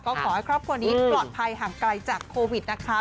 ก็ขอให้ครอบครัวนี้ปลอดภัยห่างไกลจากโควิดนะคะ